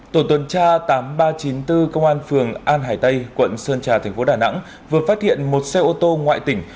tổ tuần tra tám nghìn ba trăm chín mươi bốn công an phường an hải tây quận sơn trà thành phố đà nẵng vừa phát hiện một xe ô tô ngoại tỉnh